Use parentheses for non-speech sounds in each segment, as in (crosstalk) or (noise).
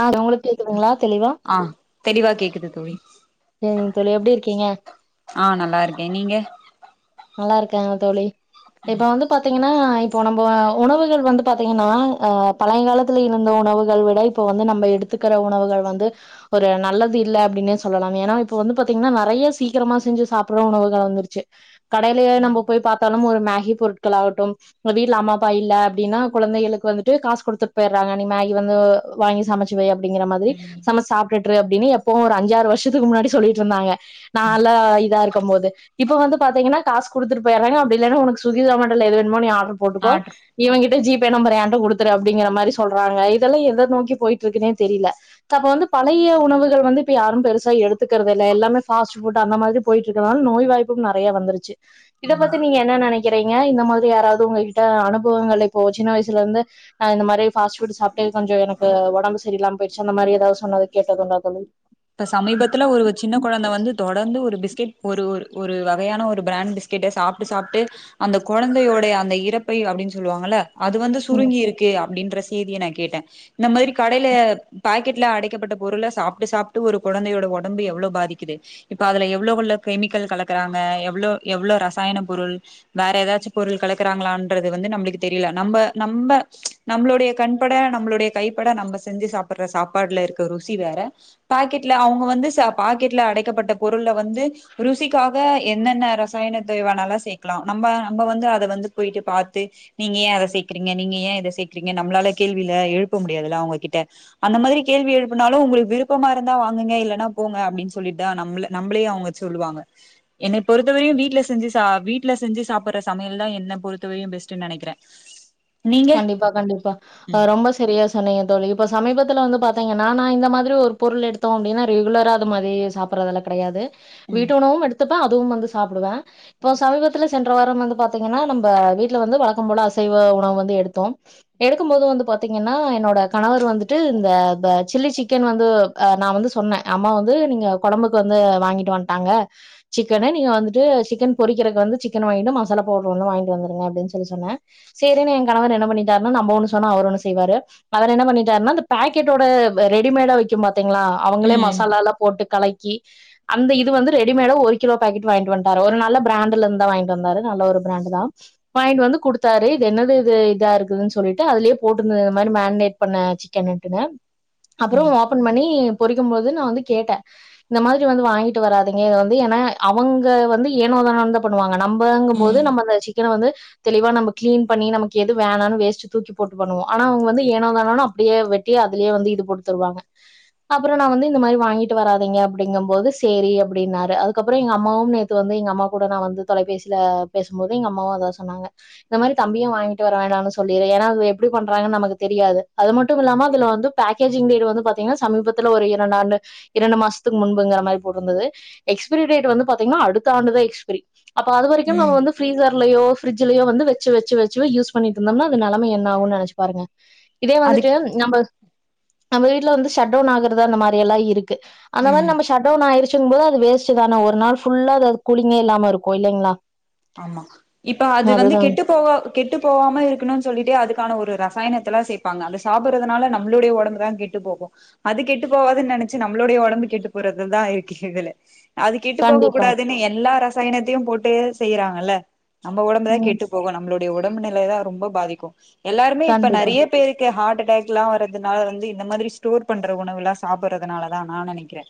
ஆஹ் உங்களுக்கு கேக்குதுங்களா தெளிவா ஆ தெளிவா கேக்குது தோழி கே தோழி எப்டி இருக்கீங்க ஆஹ் நல்லா இருக்கே நீங்க நல்லா இருக்கேங்க தோழி இப்ப வந்து பாத்தீங்க ன்னா இப்போ நம்ப உணவுகள் வந்து பாத்தீங்கனா அஹ் பழங்காலத்துல இருந்த உணவுகள் விட இப்ப வந்து நம்ப எடுத்துக்கிற உணவுகள் வந்து ஒரு நல்லது இல்ல அப்டின்னே சொல்லலா ஏனா இப்ப வந்து பாத்தீங்கனா நெறையா சீக்கிரமா செஞ்சு சாப்ட்ற உணவுகள் வந்துருச்சு கடைலயே நம்ப போய் பாத்தாலும் ஒரு மேகி பொருட்கள் ஆகட்டும் ஒர் வீட்ல அம்மாப்பா இல்ல அப்டினா கொழந்தைகளுக்கு வந்துட்டு காசு குடுத்துட்டு போய்ற்றாங்க நீ மேகி வந்து வாங்கி சமச்சுவை அப்டிங்கிற மாதிரி ம் சமச்சு சாப்ட்டுட்ரு அப்டின்னு எப்போவு ஒரு அஞ்சாறு வர்ஷத்துக்கு முன்னாடி சொல்லிகிட்ருந்தாங்க நாலா இதா இருக்கம் போது இப்ப வந்து பாத்தீங்கனா காசு குடுத்துட்டு போய்ர்றாங்க அப்டில்லனா ஒனக்கு சுகி சோமட்டோல எது வேணுமோ நீ ஆட்ருப் போட்டுக்கோ ஆட்ரு இவங்கிட் ஜி பே நம்பர ஏன்ட்ட குடுத்துரு அப்டிங்கிற மாரி சொல்றாங்க இதெல்லா எத நோக்கி போயிட்ருக்குனே தெரிய்ல அப்ப வந்து பழைய உணவுகள் வந்து இப்ப யாரும் பெருசா எடுத்துக்கறதில்ல எல்லாமே பாஸ்ட்புட் அந்த மாரி போயிட்ருக்கனால நோய் வாய்பும் நெறையா வந்துருச்சு இத ஆமா பத்தி நீங்க என்ன நெனைக்கிறீங்க இந்த மாதிரி யாராவ்து உங்ககிட்ட அனுபவங்கள் இப்போ சின்ன வயசுல இருந்து நா இந்த மாரி பாஸ்ட்புட் சாப்ட்டு கொஞ்ச எனக்கு ஒடம்பு சரியில்லாம போயிர்ச்சு அந்த மாரி எதாவ்து சொன்னது கேட்டதுண்டா தோழி இப்ப சமீபத்துல ஒரு சின்ன கொழந்த வந்து தொடர்ந்து ஒரு பிஸ்கெட் ஒரு ஒரு ஒரு வகையான ஒரு பிராண்ட் பிஸ்கெட்ட சாப்ட்டு சாப்ட்டு அந்த கொழந்தையோடைய அந்த இறப்பை அப்டின் சொல்லுவாங்கள்ல அது வந்து சுருங்கி இருக்கு அப் ப்டின்ற செய்திய நா கேட்டே இந்த மாதிரி கடைல பாக்கெட்ல அடைக்கப்பட்ட பொருள சாப்ட்டு சாப்ட்டு ட்டு ஒரு கொழந்தையோட ஒடம்பு எவ்ளோ பாதிக்குது இப்ப அதுல எவ்ளோ கொள்ள கெமிக்கல் கலக்குறாங்க எவ்ளோ எவ்ளோ ரசாயன பொருள் வேற எதாச்சு பொருள் கலக்குறாங்ளான்றது வந்து நம்ளுக்கு தெரியல நம்ப நம்ப நம்பளோடைய கண்பட நம்பளுடைய கைப்பட நம்ம செஞ்சு சாப்பிட்ற சாப்பாடுல இருக்க ருசி வேற பாக்கெட்ல அவ்ங்க வந்து ச பாக்கெட்ல அடைக்கப்பட்ட பொருள்ள வந்து ருசிக்காக என்னென்ன ரசாயனத்தைவேனாலு சேக்லா நம்ம நம்ப வந்து அத வந்து போய்ட்டு பாத்து நீங்க ஏ அத சேக்குறீங்க நீங்க ஏ இத சேக்குறீங்க நம்மளால கேள்விலா எழுப்ப முடியாதுல்ல அவ்ங்கக்கிட்ட அந்த மாதிரி கேள்வி எழுப்புனாலு உங்களுக்கு விருப் விருப்பம இருந்தா வாங்குங்க இல்லன்னா போங்க அப்டின்னு சொல்லிட்டா நம்ள நம்பளே அவுங்க சொல்லுவாங்க எனப் பொறுத்தவரையு வீட்டுல செஞ்சு சா வீட்டுல செஞ்சு சாப்புட்ற சமையல் தா என்ன பொறுத் (unintelligible) பெஸ்ட்னு நெனைக்கிறே நீங்க கண்டிப்பா கண்டிப்பா ஆ ம் ரொம்ப செரியா சொன்னீங்க தோழி இப்ப சமீபத்து துல வந்து பாத்தீங்கன்னா நா இந்த மாதிரி ஒரு பொருள் எடுத்தோ அப்டின்னா ரெகுலர அது மாரி சாப்புட்றதெல்லா கெடையாது வீட்டு ம் உணவு எடுத்துப் ஆ அதுவு வந்து சாப்டுவே இப்ப சமீபத்தில் சென்ற வார வந்து பாத்தீங்கன்னா நம்ப வீட்ல வந்து வழக்கம் போல அசைவ உணவு வந் எடுத்தோ எடுக்கும்போது வந்து பாத்திங்கன்னா என்னோட கணவர் வந்துட்டு இந்த ப சில்லி சிக்கன் வந்து நா வந்து சொன்ன அம்மா வந்து நீங்க கொழம்புக்கு வந்து வாங்கிட்டு வந்துட்டாங்க சிக்கன்னு நீங்க வந்துட்டு சிக்கன் பொறிக்கிறக்கு வந்து சிக்கன் வாங்கிட்டு மசாலா பவுடர் ஒன்னு வாங்கிட்டு வந்துருங்க அப்படினு சொல்லி சொன்ன சேரின்னு கணவர் என்ன பண்ணிட்டாருனா நம்ப ஒன்னு சொன்ன அவரு ஒன்னு செய்வரு அவர் என்ன பண்ணிட்டாருனா இந்த பக்கெட்டோட ரெடிமேடா விக்கும் பாத்துக் திங்களா அவங்களே ம் மசாலாலா போட்டு கலக்கி அந்த இது வந்து ரெடிமேட ஒரு கிலோ பாக்கெட் வாங்கட்டு வன்ட்டாரு ஒரு நல்ல ப்ரண்டுலந்து தா வாங்கிட்டு வந்தாரு நல்ல ஒரு ப்ரண்டதா வாங்கிட்டு வந்து குடுத்தாரு இது என்னது (unintelligible) இதா இருக்குதுன்னு சொல்லிட்டு அதுலயே போட்டுருந்தது இந்த மாரி மேரினேட் பண்ண சிக்கன்ட்டுன்னு அப்பறோ ம் ஓபன் பண்ணி பொறிக்கும்பொழ்து நா வந்து கேட்டே இந்த மாதிரி வந்து வாங்கிட்டு வராதுங்க வந்து ஏனா அவங்க வந்து ஏனோதானோ தா பண்ணுவாங்க நம் வாங்கும் போது ம் நம்ம அந்த சிக்கன வந்து தெளிவா நம்ப கிளீன் பண்ணி நமக் எது வேணான்னு வேஸ்ட் தூக்கி போட்டு பண்ணுவோ ஆனா அவங்க வந்து ஏனோதானோனு அப்டியே வெட்டி அதுலயே வந்து இது போட்டு தருவாங்க அப்பற நா வந்து இந்த மாரி வாங்கிட்டு வராதீங்க அப்டிங்கும்போது சேரி அப்டின்னாரு அதுக்கப்பறோ எங்க அம்மாவு நேத்து வந்து எங்க அம்மா கூட நா வந்து தொலைபேசியில பேசும்போது எங்க அம்மாவு அதா சொன்னாங்க இந்த மாரி தம்பியு வாங்கிட் வர வேணான்னு சொல்றே ஏன்னா அது எப்டி பண்றாங்கன்னு நமக்கு தெரியாது அது மட்டுமில்லாம அதுல வந்து பேக்கிஜ்ங் டேட் வந்து பாத்திங்கன்னா சமீபத்துல ஒரு இரண்டு ஆண்டு இரண்டு மாசத்துக்கு முன்புங்குறமாரி போட்டுருந்தது எக்ஸ்பிரி டேட் வந்து பாத்திங்கன்னா அடுத்த ஆண்டுதா எக்ஸ்பிரி அப்ப அது வரைக்கு ம் நம்ம வந்து ஃப்ரீஸர் யோல ஃப்ரிஜ்ஜிலயோ வந்து வச்சு வச்சு வச்சு யூஸ் பண்ணிட்டுருந்தம்னா அது நெலமை என்ன ஆகு நெனைச்சு பாருங்க இதே வந்துட்டு அதுக்கு நம்ம நம்ம வீட்ல வந்து ஷட்டவுன் ஆகுறது அந்த மாரி எல்லா இருக் கு அந்த ம் மாரி நம்ம ஷட்டவுன் ஆயிரு ட்ருக்கும் போது அது வேஸ்டு தான ஒரு நாள் ஃபுல்லா அது அது கூலிங்கே இல்லாம இருக்கு இல்லைங்களா. ஆமா இப்ப அது வந்து அதுதா கெட்டு போவ கெட்டு போவாம இரு க்குனு சொல்லிட்டு அதுக்கான ஒரு ரசாயனத்தலா சேப்பாங்க அத சாப்புடுறதுனால நம்ளோடைய ஒடம்பு தா கெட்டு போகும் அது கெட்டு போவாதுனு நெனச்சு நம்ளோடைய ஒடம்பு கெட்டு போறதுதா இருக்கு இதுல. அது கெட்டு போக கண்டிப்பா கூடாதுன்னு எல்லா ரசாயனத்தையும் போட்டு. செய்றாங்கல. நம்ப ஒடம்பு தா ம் கெட்டு போகு நம்ல (unintelligible) ஒடம்பு நிலை தா ரொம்ப பாதிக்கு எல்லாருமே இப்ப கண்டிப்பா நறைய பேருக்கு ஹார்ட் அட்டாக்லா வருதுன்னா வந்து இந்த மாதிரி ஸ்டோர் பண்ற உணவுலா சாப்பட்றதுனால தா நா நெனைக்கிறே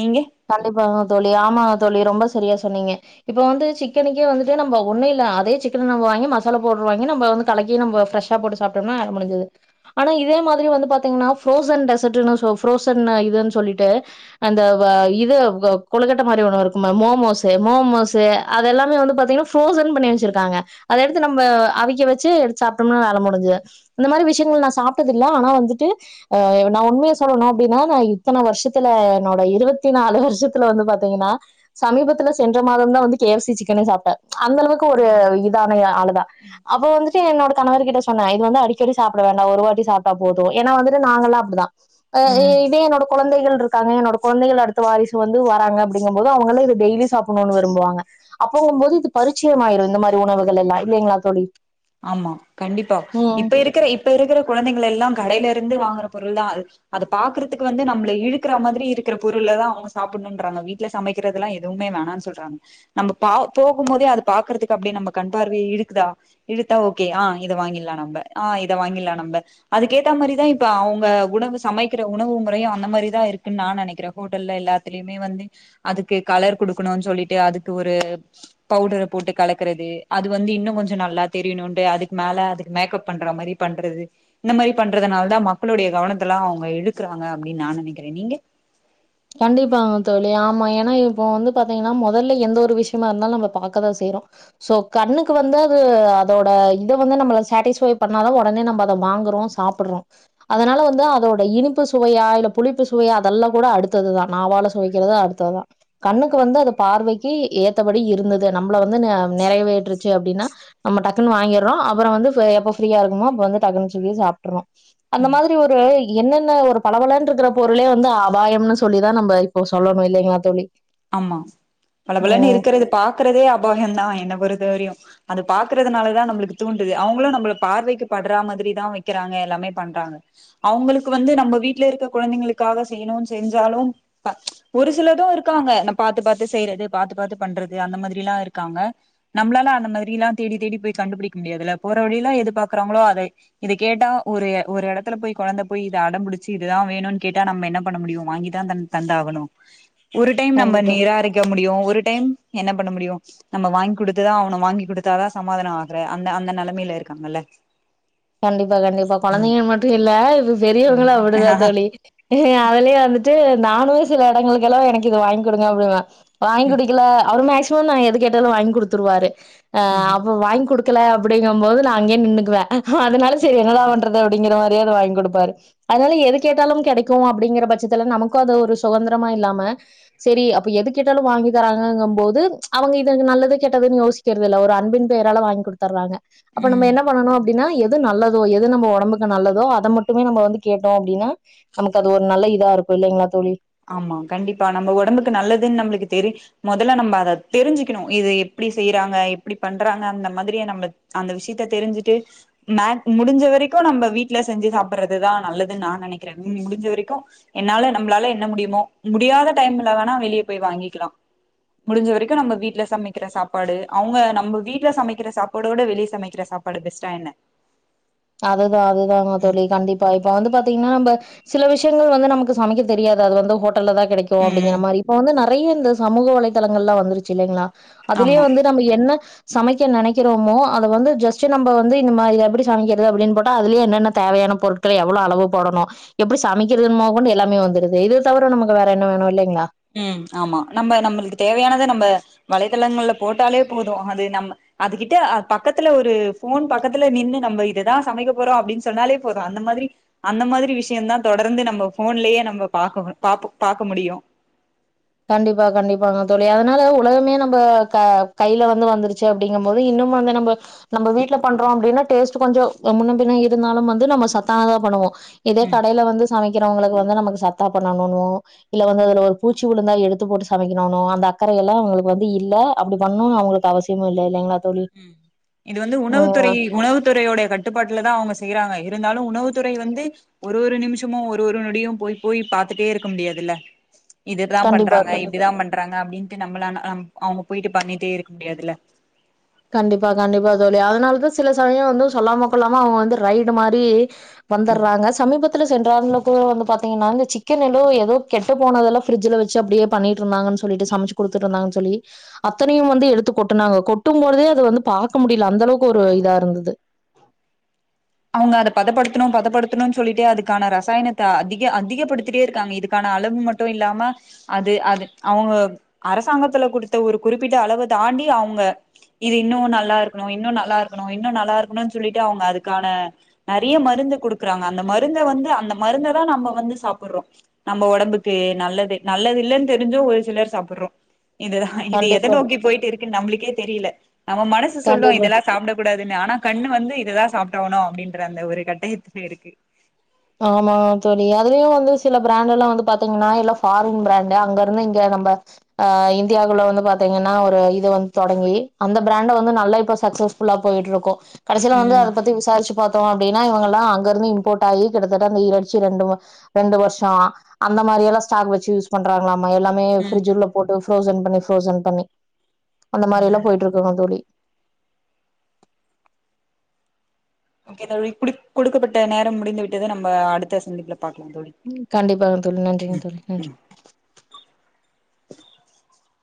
நீங்க கண்டிப்பாங்க தோழி ஆமா தோழி ரொம்ப சரியா சொன்னீங்க இப்ப வந்து சிக்கனுக்கே வந்துட்டு நம்ப ஒன்னு இல்ல அதே சிக்கன் நம்ம வாங்கி மசாலா பவுட்ரு வாங்கி நம்ம வந்து கலக்கி நம்ப ஃபிரெஷ்ஷா போட்டு சாப்ட்டம்ன்னா (unintelligible) முடிஞ்சுது. ஆனா இதே மாதிரி வந்து பாத்தீங்ன்னா ஃப்ரோஸன் டெஸர்ட்டுனு சொ ஃப்ரோஸன்னா இதுன் சொல்லிட்டு அந்த வ இது க கொழுக்கட்ட மாரி ஒன்னு இருக்குமே மோமோசு மோமோசு அதெல்லாமே வந்து பாத்தீங்கனா ஃப்ரோஸன் பண்ணி வெச்சிருக்காங்க அத எடுத்து நம்ம அவிக்க வச்சு எடுத்து சாப்ட்டம்ன்னா வேல முடிஞ்சுது இந்த மாரி விஷயங்கள் நா சாப்ட்டதில்ல ஆனா வந்துட்டு அ நா உண்மைய சொல்லனு அப்டினா நா இத்தன வர்ஷத்துல என்னோட இருவத் தி நாலு வர்ஷத்துல வந்து பாத்தீங்கனா சமீபத்துல சென்ற மாதம் தா வந்து கே எஃ சி சிக்கனே சாப்ட்டே அந்தளவுக்கு ஒரு இதான ய ஆளு தா அப்ப வந்துட்டு என்னோட கணவர் கிட்ட சொன்ன இது வந்து அடிக்கடி சாப்ட வேண்டா ஒரு வாட்டி சாப்ட்டா போது ஏனா வந்துட்டு நாங்கல்லா அப்டி தா அஹ் இ ம் இதே என்னோட கொழந்தை கள் இருக்காங்க என்னோட கொழந்தைகள் அடுத் த வாரிசு வந்து வராங்க அப்டிங்கும் போது அவங்கல்லா இது டெய்லி சாப்பட்ணுனு விரும்புவாங்க அப்பவும்போது இது பரிச்சயமாயிரு இந்த மாரி உணவுகள் எல்லா இல்லீங்களா தோழி ஆமா கண்டிப்பா ம் இப்ப இருக்கற இப்ப இருக்கற குழந்தைகள் எல்லா கடைலரு ந்து வாங்கற பொருள் தா (unintelligible) அத பாக்கறத்துக்கு வந்து நம்மள இழுக்கற மாதிரி இருக்கற பொருள தா அவங்க சாப்பட்ணுன்றாங்க வீட்ல சமைக்கிறதெல்லா எதுவுமே வேணான் சொல்றாங்க நம்ப பா போகும் போதே அது பாக்கறத்துக்கு அப்டியே நம்ம கண்பார்வைய இழுக்குதா இழுத்தா ஓகே ஆ இத வாங்கிர்லா நம்ப ஆஹ் இத வாங்கிர்லா நம்ப அதுக்கேத்த மாரி தா இப்ப அவுங்க உணவு சமைக்கிற உணவு முறையு அந்த மாரி தா இருக்கு நா நெனைக்கிற ஹோட்டல்ல எல்லாத்துலயுமே வந்து அதுக்கு கலர் குடுக்கணுன் சொல்லிட்டு அதுக்கு ஒரு பவுடர போட்டு கலக்கறது அது வந்து இன்னு கொஞ்ச நல்லா தெரியணும்டு அதுக்கு மேல அதுக்கு மேக்கப் பண்ற மாரி பண்றது இந்த மாரி பண்றதுனால தான் மக்களுடைய கவனத்த எல்லா அவங்க இழுக்குறாங்க அப்படின்னு நா நெனைக்கிற நீங்க. கண்டிப்பாங்க தோழி ஆமா ஏனா இப்ப வந்து பாத்தீங்கனா மொதல்ல எந்த ஒரு விஷ்யமா இருந்தாலு நம்ம பாக்க தா செய்யறோ சோ கண்ணுக்கு வந்து அது அதோட இத வந்து நம்மள சாட்டிஸ்ஃபை பண்ணா தா ஒடனே நம்ப அத வாங்கறோ சாப்பட்றோ அதனால வந்து அதோட். இனிப்பு சுவையா இல்ல புளிப்பு சுவையா அதெல்லா கூட அடுத் அடுத்தது தான் நாவால சுவைக்றது அடுத்ததுதான் கண்ணுக்கு வந்து அது பார்வைக்கு ஏத்தபடி இருந்தது நம்மள வந்து நிறைவேற்றுச்சு அப்படின்னா நம்ம டக்குனு வாங்கிடுறோம் அப்புறம் வந்து எப்ப ஃப்ரியா இருக்குமோ அ வந்து டக்குன்னு (unintelligible) சாப்ட்டுறோ. அந்த மாதிரி ஒரு என்னென்ன ஒரு பளப்பளன்ருக்கற பொருளே வந்து அபாயம்னு சொல்லி தா நம்ப இப்போ சொல்லணு இல்லைங்களா தோழி ஆமா பல பலன்னு ம் இருக்குறது பாக்குறதே அபாயம் தான் என்ன பொருத்த வரியும். அது பாக்குறதுனாலதான் நம்மளுக்கு தூண்டுது அவங்களும் நம்பள பார்வைக்கு படுற மாரி தான் வக்கிறாங்க எல்லாமே பண்றாங்க அவங்களுக்கு வந்து நம்ப வீட்ல இருக்க கொழந்தைங்களுக்காக செய்யணும் செஞ்சாலும் ஒரு சிலதும் இருக் இருக்காங்க நா பாத்து பாத்து செய்றது பாத்து பாத்து பண்றது அந்த மாரிலாம் இருக்காங்க நம்மளால அந்த மாரிலாம் தேடி தேடி போய் கண்டுபுடிக்க முடியாதுல போற வழில எது பாக்குறாங்களோ அத இத கேட்டா ஒரு ஒரு எடத்துல போய் கொழந்த போய் இத அடம்புடிச்சு இதுதான் வேணும்னு கேட்டா நம்ம என்ன பண்ண முடியும் வாங்கிதான் தந்து ஆகணும. ஒரு டைம் நம்ம கண்டிப்பா நிராரிக்க முடியும் ஒரு டைம். என்ன பண்ண முடியும் நம்ம வாங்கி குடுத்துதா ஆவணும் வாங்கி குடுத்தாதான் சமாதானம் ஆகுற அந்த அந்த நிலைமயில இருக்காங்கல்ல. கண்டிப்பா கண்டிப்பா ம் கொழந்தைங்க மட்டும் இல்ல இப்ப பெரியவங்களும் அப்படிதா தோழி அதுலயு வந்துட்டு நானுமே சில இடங்களுக்கெல்லாம் எனக்கு இது வாங்கி குடுங்க அப்படிங்குவ. வாங்கி குடிக்கல. அருண் ஐஸ் இப்பவு நா எது கேட்டாலு வாங்கி குடுத்துருவாரு ஆஹ் ம் அப்ப வாங்கி குடுக் துல அப்டிங்கம் போது நா அங்கே நின்னுக்குவே ஹா அதனால சேரி என்டா பண்றது அப்டிங்கிற மார் ஏதோ வாய்ங் குடுப்பாரு அதுனால எது கேட்டாலும் கெடைக்கு அப்டிங்கிற பட்சத்துல நமக்கு அது ஒரு சொகந்திரமா இல்லாம சேரி அப்ப எது கேட்டாலு வாங்கித்தராங்கங்கம் போது அவங்க இது நல்லது கேட்டதுன்னு யோசிக்கிறதில்ல ஒரு அன்பின் பெயரால வாங்கி குடுத்தர்றாங்க அப்ப நம்ம ம் என்ன பண்ணனு அப்டினா எது நல்லதோ எது நம்ம ஒடம்புக்கு நல்லதோ அத மட்டுமே நம்ப வந்து கேட்டோ அப்டினா நமக்கு அது ஒரு நல்ல இதா இருக்கு இல்லைங்ளா தோழி ஆமா கண்டிப்பா நம்ம ஒடம்புக்கு நல்லதுன் நம்ளுக்கு தெரி மொதல்ல நம்ப அத தெரிஞ்சுக்கணு இத எப்டி செய்றாங்க எப்டி பண்றாங்க அந்த மாதிரியா நம்ப அந்த விஷ்யத்த தெரிஞ்சுட்டு மேக் முடிஞ்ச வரைக்கு நம்ப வீட்ல செஞ்சு சாப்பிட்றதுதா நல்லதுன் நா நெனைக்கிறே உம் முடிஞ்ச வரைக்கு என்னால நம்ளால என்ன முடியுமோ முடியாத டைம்ல வேணா வெளியே போய் வாங்கிக்கலா முடிஞ்ச வரைக்கு நம்ம வீட்ல சமைக்கிற சாப்பாடு அவ்ங்க நம்ப வீட்ல சமைக்கிற சாப்பாடோட வெளிய சமைக்கிற சாப்பாடு பெஸ்டா என்ன அதுதா அதுதாங்க ம் தோழி கண்டிப்பா இப்ப வந்து பாத்தீங்னா நம்ப சில விஷ்யங்கள் வந்து நமக்கு சமைக்க தெரியாது அது வந்து ஹோட் டல்லதா கெடைக்கு அப்டிங்கிற ம் மாரி இப்ப வந்து நா நெறைய இந்த சமூக வலைதளங்கள்லா வந்துருச்சு இல்லைங்ளா அதுலயே ஆமா வந்து நம்ம என்ன சமைக்க நெனைக்கிறோமோ அத வந்து ஜஸ்ட்டு நம்ப வந்து இந்த மாரி இத எப்டி சமைக்க இது அப்டின் போட்டா அதுலே என்னென்ன தேவையான பொருட்கள் எவளோ அளவு போடனு எப்டி சமைக்கிறதுன் மொதக்கொண்டு எல்லாமே வந்துருது இது தவர நமக்கு வேற என்ன வேணு இல்லைங்ளா உம் ஆமா நம்ப நம்மளுக்கு தேவையானத நம்ப வலைத்தளங்கள்ல போட்டாலே போது அது நம்ம அதுகிட்ட அ பக்கத்துல ஒரு ஃபோன் பக்கத்துல நின்னு நம்ப இததா சமைக்க போறோ அப்டின் சொன்னாலே போது அந்த மாதிரி அந்த மாதிரி விஷ்யந்தா தொடர்ந்து நம்ம ஃபோன்லே நம்ம பாக்க பாப்போ பாக்க முடியு கண்டிப்பா கண்டிப்பாங்க தோழி அதனால உலகமே நம்ப கா கைல வந்து வந்துருச்சு அப்டிங்கும் போது இன்னமு வந்து நம்ப நம்ப வீட்ல பண்றோ அப்டினா டேஸ்ட்டு கொஞ்சோ ஏ முன்ன பின்ன இருந்தாலும் வந்து நம்ம சத்தானதா பண்ணுவோ இதே ம் கடைல வந்து சமைக்கிறவ்ங்களுக்கு இன்னு நமக்கு சத்தா பண்ணனுனு இல்ல வந்து அதுல ஒரு பூச் ச்சி விழுந்தா எடுத்து போட்டு சமைக்கணுனு அந்த அக்கறயெல்லா அவ்ங்களுக்கு வந்து இல்ல அப்டி பண்ணுனு அவ்ங்களுக்கு அவசியமு இல்ல இல்லைங்ளா உம் இது வந்து உணவுத்துறை உணவு துறையோடைய கட்டுப்பாட்ல தா அவ்ங்க செய்றாங்க இருந்தாலு உணவுத்துறை வந்து ஒரு ஒரு நிம்ஷமு ஒரு ஒரு நொடியு போய் போய் பாத்துட்டே இருக்க முடியாதுல்ல இதுதான் கண்டிப்பா பண்றாங்க கண்டிப்பா. இப்படிதான் பண்றாங்க அப்படின்ட்டு நம்மள அவங்க போயிட்டு பண்ணிட்டே இருக்க முடியாதுல கண்டிப்பா கண்டிப்பா தோழி அதனாலதா சில சமயோ வந்து சொல்லாம கொல்லாம அவுங்க வந்து ரைடு மாதிரி வந்துடுறாங்க சமீபத்துல சென்ற ஆண்டுல கூட வந்து பார்த்த நீங்க நாங்க சிக்கன் எல்லோ எதோ கெட்டு போனதெல்லா ஃப்ரிட்ஜ்ல வெச்சு அப்படியே பண்ணிட்டு இருந்தாங்கனு சொல்லிட்டு சமைச்சு குடுத்துட்டு இருந்தாங்கனு சொல்லி அத்தனையும் வந்து எடுத்து கொட்டனாங்க கொட் சுட்டும் போதே அதது வந்து பார்க்க முடியல அந்த அளவுக்கு ஒரு இதா இருந்தது அவுங்க அத பதப்படுத்தணோ பதப்படுத்தணோம்னு சொல்லிட்டே அதுக்கான ரசாயனத்த அதிக அதிகப்படுத்திட்டே இருக்காங்க இதுக்கான அளவு மட்டு இல்லாம அது அது அவுங்க அரசாங்கத்துல குடுத்த ஒரு குறிப்பிட்ட அளவ தாண்டி அவுங்க இது இன்னோ நல்லா இருக்கணோ இன்னோ நல்லா இருக்கணோ இன்னோ நல்லா இருக்கணோனு சொல்லிட்டு அவுங்க அது க்கான நறைய மருந்து குடுக்குறாங்க அந்த மருந்த வந்து அந்த மருந்த தா நம்ம வந்து சாப்படுறோ நம்ம ஒடம்புக்கு நல்லது நல்லது இல்லன்னு தெரிஞ்சோ ஒரு சிலர் சாப்பிடுறோ இதுதா இது எத கண்டிப்பா, நோக்கி போயிட்டு இருக்குன்னு நம்மளுக்கே தெரியல நம்ம மனசு சொல்லும் கண்டிப்பா. இதெல்லாம் சாப்பிடக்க கூடாது இத ஆனா கண்ணு வந்து இததா சாப்பி னும் அப்படின்ற அந்த ஒரு கட்டயத்துல இருக்கு ஆமா தோலி அதுலுயோ வந்து சில பிராண்டட்லா வந்து பாத்தீங்கன்னா எல்லாம் ஃபாரின் பிராண்டு அங்க இருந்து இங்க நம்ம அ இந்தியாக்குள்ள வந்து பாத்தீங்கன்னா ஒரு இது வந்து தொடங்கி அந்த பிராண்ட வந்து நல்லா இப்ப சக்சஸ்ஃபுல்லா போயிட்டு இருக்கோ கடசில வந்து அத ம் பத்தி விசாரிச்சு பார்த்தோ அப்டி அதா இவங்கலா அங்கருந்து இம்போர்ட் ஆயி கிட்டதட்ட அந்த இறச்சி ரெண்டு வ ரெண்டு வருஷோ ஆ அந்த மாதிரிலா ஸ்டாக் வெச்சு யூஸ் பண்றாங்ளா ம்ம எல்லாமே ம் ஃப்ரிட்ஜ் உள்ள போட்டு ஃப்ரோசன் பண்ணி ஃப்ரோசன் பண்ணி அந்த மாரி எல்லா ம் போயிட்டுருக்குங்க தோழி ஓகே தோழி இப்டிக் கொடுக்கப்பட்ட நேரம் முடிந்து விட்டது நம்ம அடுத்த சந்திப்புல பாக்கலா தோழி ம் கண்டிபாங்க தோழி நன்றிங்க தோழி நன்றி